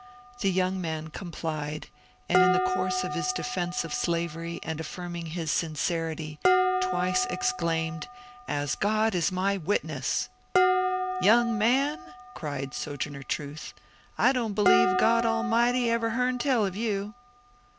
The young man complied, and in the course of his defence of slavery and afiKrming his sincerity, twice exclaimed, ^^ As God is my witness I '*^^ Young man," cried Sojourner Truth, " I don't believe God Almighty ever beam tell of you